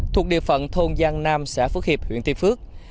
thuộc địa phận thôn giang nam xã phước hiệp huyện tuy phước